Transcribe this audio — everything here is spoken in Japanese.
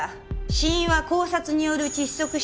死因は絞殺による窒息死。